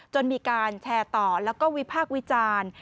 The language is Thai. จนมีการแชร์ต่อแล้วก็วิพากษ์วิจารณ์